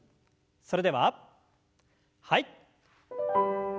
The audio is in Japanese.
それでははい。